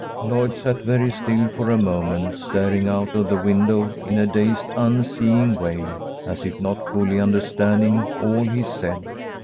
Lloyd sat very still for a moment, staring out of the window in a dazed, unseeing way, as if not fully understanding all he said.